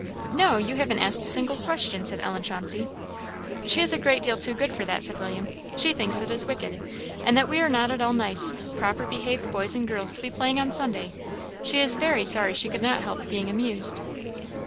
"No, you haven't asked a single question," said Ellen Chauncey. "She is a great deal too good for that," said William; "she thinks it is wicked, and that we are not at all nice, proper behaved boys and girls to be playing on Sunday; she is very sorry she could not help being amused."